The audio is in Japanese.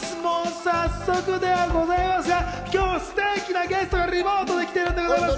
早速ではございますが、今日はすてきなゲストがリモートで来てるんでございます。